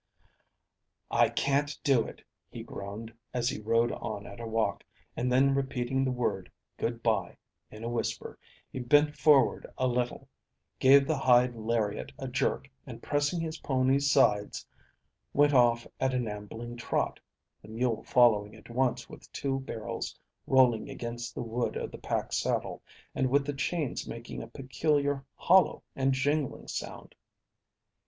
"I can't do it," he groaned, as he rode on at a walk, and then repeating the word "Good bye!" in a whisper, he bent forward a little, gave the hide lariat a jerk, and pressing his pony's sides, went off at an ambling trot, the mule following at once with the two barrels rolling against the wood of the pack saddle, and with the chains making a peculiar hollow and jingling sound.